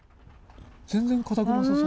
全然硬くなさそう。